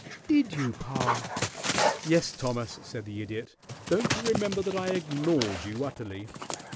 "Did you, pa?" "Yes, Thomas," said the Idiot. "Don't you remember that I ignored you utterly?"